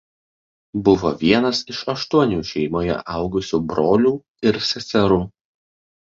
Buvo vienas iš aštuonių šeimoje augusių brolių ir seserų.